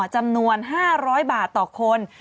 จำนวน๕๐๐บาทต่อคน